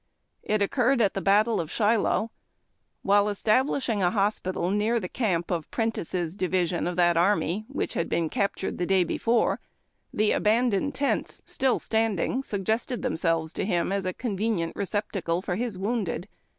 It occurred at the battle of Shiloh. While establishing a hospital near the camp of Prentiss' division of that army, which had been captured the day before, the abandoned tents still standing suggested them selves to him as a convenient receptacle for his wounded.